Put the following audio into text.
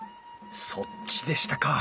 そっちでしたか。